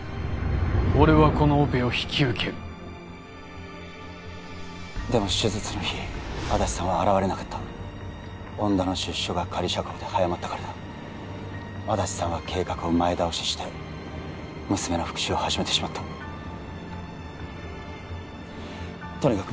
俺はこのオペを引き受けるでも手術の日安達さんは現れなかった恩田の出所が仮釈放で早まったからだ安達さんは計画を前倒しして娘の復讐を始めてしまったとにかく